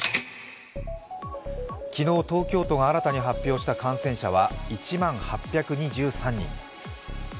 昨日、東京都が新たに発表した感染者は１万８２３人。